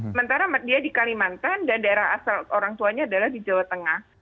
sementara dia di kalimantan dan daerah asal orang tuanya adalah di jawa tengah